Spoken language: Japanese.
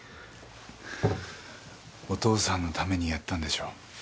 お父さんのためにやったんでしょう？